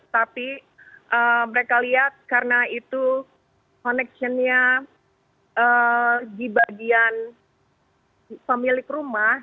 tapi mereka lihat karena itu connectionnya di bagian pemilik rumah